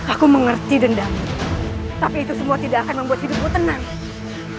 aku mengerti dendam tapi itu semua tidak akan membuat hidupmu tenang